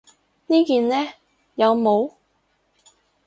呢件呢？有帽